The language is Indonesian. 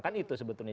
kan itu sebetulnya